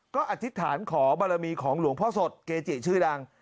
ก็อธิษฐานขอบารมีของหลวงพ่อสดเกจิชื่อดัง